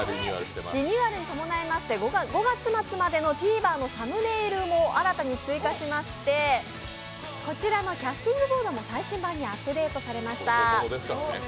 リニューアルに伴いまして５月末までのＴｖｅｒサムネイルも新たに追加しまして、こちらのキャスティングボードも最新版にアップデートされました。